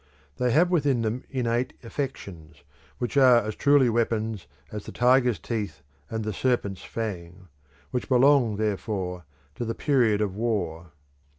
They have within them innate affections, which are as truly weapons as the tiger's teeth and the serpent's fang; which belong, therefore, to the Period of War.